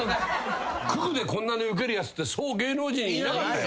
九九でこんなにウケるやつってそう芸能人にいなかったよ。